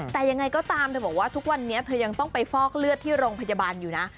แต่ยังไงก็ตามเธอบอกว่าทุกวันนี้เธอยังต้องไปฟอกเลือดที่โรงพยาบาลอยู่นะ